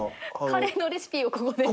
カレーのレシピをここで。